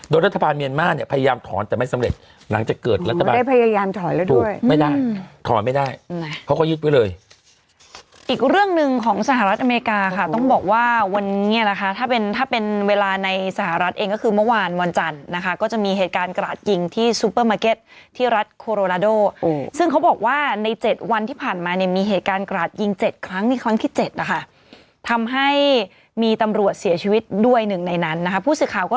โดยรัฐบาลเมียนมากเนี้ยพยายามถอนแต่ไม่สำเร็จหลังจากเกิดรัฐบาลได้พยายามถอยแล้วด้วยไม่ได้ถอนไม่ได้เขาก็ยึดไปเลยอีกเรื่องหนึ่งของสหรัฐอเมริกาค่ะต้องบอกว่าวันนี้แหละค่ะถ้าเป็นถ้าเป็นเวลาในสหรัฐเองก็คือเมื่อวานวันจันทร์นะคะก็จะมีเหตุการณ์กราดยิงที่ซูเปอร์มาเก็ตที่รัฐโค